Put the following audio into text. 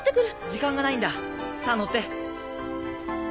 時間がないんださぁ乗って。